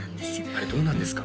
あれどうなんですか？